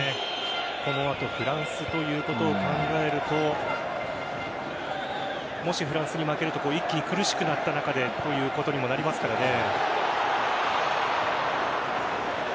この後フランスということを考えるともし、フランスに負けると一気に苦しくなった中でということにもなりますからね。